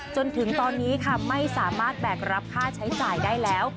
จนถึงตอนนี้ค่ะไม่สามารถแบกรับค่าใช้จ่ายได้แล้ว